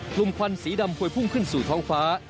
ควันสีดำพวยพุ่งขึ้นสู่ท้องฟ้า